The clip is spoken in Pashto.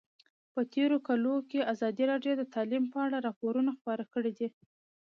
په تېرو کلونو کې ازادي راډیو د تعلیم په اړه راپورونه خپاره کړي دي.